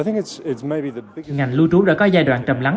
ngành lưu trú đã có giai đoạn trầm lắng